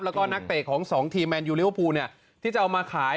แล้วก็นักเตะของสองทีมแมนยูเลี่ยวภูเนี่ยที่จะเอามาขาย